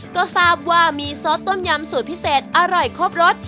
ก็ทราบว่ามีซอสต้มยำสูตรพิเศษอร่อยครบรส